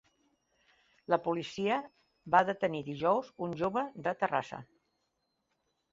La policia va detenir dijous un jove de Terrassa